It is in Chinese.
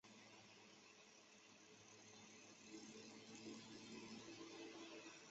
独角戏是指单人直接面对观众的演说式的幽默表演形式。